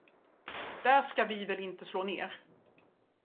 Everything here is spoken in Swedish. Där ska vi väl inte slå ner.